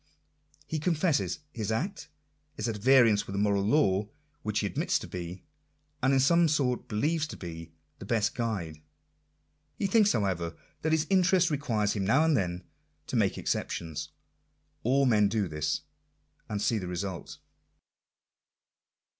He con fesses his act is at variance with the moral law, which he ad mits to be, and in some sort believes to be, the best guide. He thinks, however, that his interest requires him now and then to make exceptions. All men do this; — and see the result.